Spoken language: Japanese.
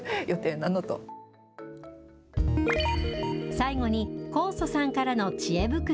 最後に、高祖さんからのちえ袋。